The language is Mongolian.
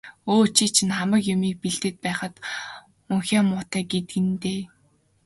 Өө, чи чинь хамаг юмыг нь бэлдээд байхад унхиа муутай гэдэг нь дээ.